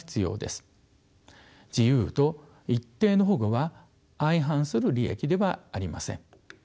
自由と一定の保護は相反する利益ではありません。